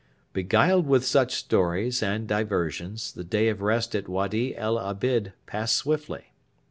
Beguiled with such stories and diversions, the day of rest at Wady el Abid passed swiftly.